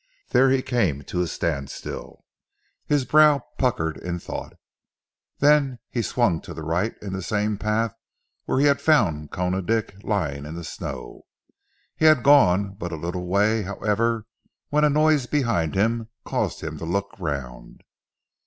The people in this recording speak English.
There he came to a standstill, his brow puckered in thought, then he swung to the right into the same path where he had found Koona Dick lying in the snow. He had gone but a little way however, when a noise behind him caused him to look round.